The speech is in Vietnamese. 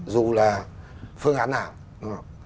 dù là phương án nào